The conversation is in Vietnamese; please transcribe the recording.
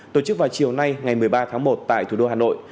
tổ chức vào chiều nay ngày một mươi ba tháng một tại thủ đô hà nội